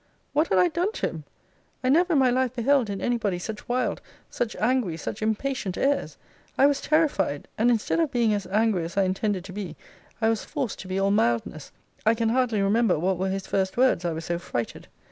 What had I done to him? I never in my life beheld in any body such wild, such angry, such impatient airs. I was terrified; and instead of being as angry as I intended to be, I was forced to be all mildness. I can hardly remember what were his first words, I was so frighted.